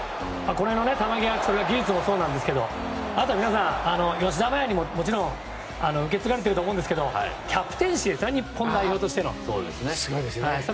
この辺の球際の技術もそうなんですがあとは吉田麻也にももちろん受け継がれていると思うんですがキャプテンシーですね日本代表としての。